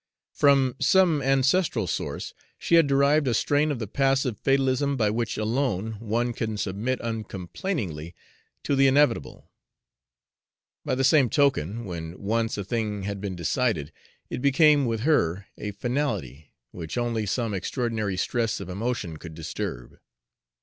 From some ancestral source she had derived a strain of the passive fatalism by which alone one can submit uncomplainingly to the inevitable. By the same token, when once a thing had been decided, it became with her a finality, which only some extraordinary stress of emotion could disturb.